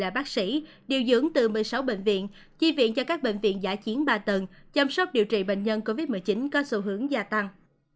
bệnh viện cho các bệnh viện giả chiến ba tầng chăm sóc điều trị bệnh nhân covid một mươi chín có xu hướng gia tăng